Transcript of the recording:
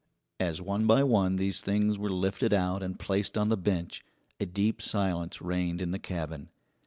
As one by one these things were lifted out and placed on the bench a deep silence reigned in the cabin.